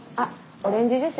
オレンジジュース。